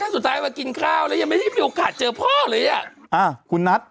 สุดท้ายมากินข้าวแล้วยังไม่ได้มีโอกาสเจอพ่อเลยอ่ะอ่าคุณนัท